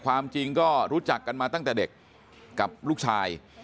ความจริงก็รู้จักกันมาตั้งแต่เด็กกับลูกชาย